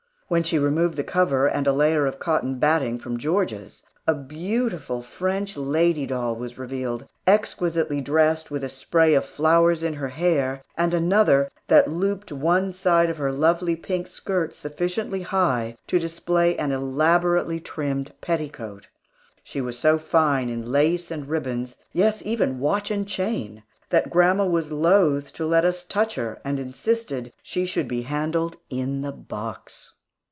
When she removed the cover and a layer of cotton batting from Georgia's, a beautiful French lady doll was revealed, exquisitely dressed, with a spray of flowers in her hair, and another that looped one side of her lovely pink skirt sufficiently high to display an elaborately trimmed petticoat. She was so fine in lace and ribbons, yes, even watch and chain, that grandma was loath to let us touch her, and insisted she should be handled in the box.